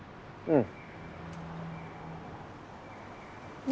うん。